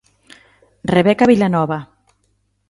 Rebeca Vilanova.